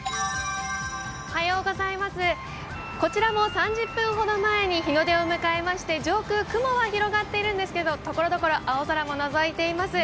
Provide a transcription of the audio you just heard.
こちらも３０分ほど前に日の出を迎えまして上空雲は広がっているんですけれどもところどころ青空も、のぞいています。